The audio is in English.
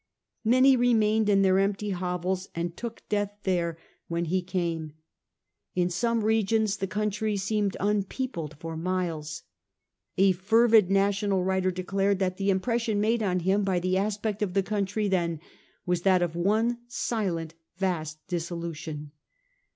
Many remained in their empty hovels and took death there when he 422 A HISTORY OF OUR OWN TIMES. ch. xvn. came. In some regions the country seemed unpeopled for miles. A fervid national writer declared that the impression made on him by the aspect of the country then was that of ' one silent vast dissolution.